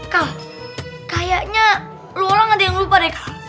kak kayaknya lu orang ada yang lupa deh kak